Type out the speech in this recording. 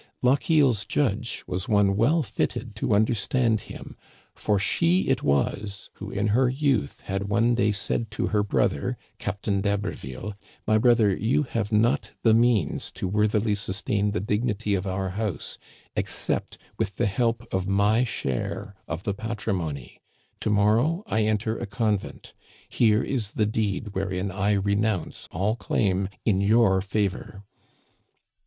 LochieFs judge was one well fitted to understand him, for she it was who in her youth had one day said to her brother Captain d'Haberville :" My brother, you have not the means to worthily sustain the dignity of our house, except with the help of my share of the patri mony. To morrow I enter a convent Here is the deed wherein I renounce all claim in your favor."